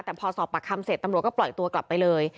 แต่พอสอบปากคำเสร็จตำรวจก็ปล่อยตัวกลับไปเลย